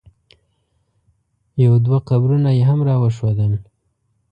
یو دوه قبرونه یې هم را وښودل.